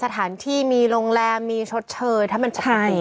ที่มีโรงแรมมีชดเชยถ้ามันใช่